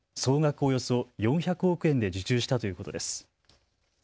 およそ４００億円で受注したということです。